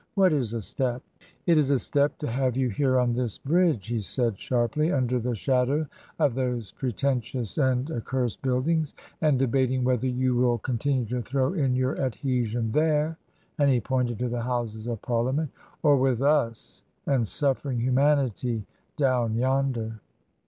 " What is a step ?"" It is a step to have you here on this Bridge," he said, sharply, " under the shadow of those pretentious and ac cursed buildings, and debating whether you will con tinue to throw in your adhesion there'* — and he pointed to the Houses of Parliament —*^ or with us and suffering humanity down yonder."